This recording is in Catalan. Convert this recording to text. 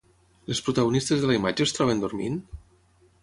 Les protagonistes de la imatge es troben dormint?